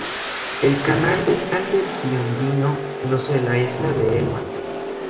El canal de Piombino lo separa de la Isla de Elba.